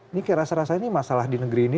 ini kira serasa ini masalah di negeri ini